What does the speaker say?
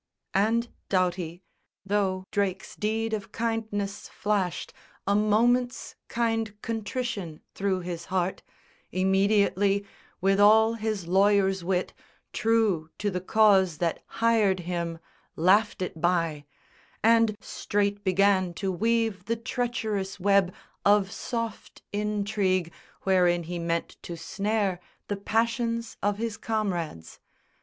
_ And Doughty, though Drake's deed of kindness flashed A moment's kind contrition through his heart, Immediately, with all his lawyer's wit True to the cause that hired him, laughed it by, And straight began to weave the treacherous web Of soft intrigue wherein he meant to snare The passions of his comrades.